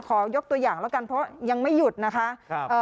ขอยกตัวอย่างแล้วกันเพราะยังไม่หยุดนะคะ